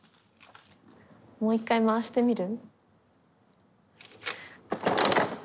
もう一回回してみる？